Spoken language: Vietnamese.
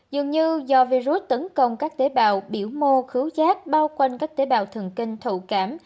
dường như do virus tấn công các tế bào biểu mô khứu chát bao quanh các tế bào thường kinh thụ cảm